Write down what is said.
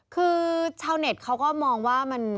คือชาวเน็ตเขาก็มองว่ามัน